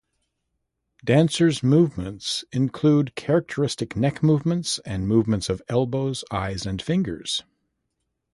Dancers' movements include characteristic neck movements, and movements of elbows, eyes and fingers.